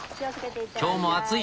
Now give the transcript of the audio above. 今日も暑い。